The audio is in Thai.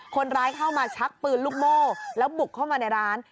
คนร้ายเข้ามาชักปืนลูกโม่แล้วบุกเข้ามาในร้าน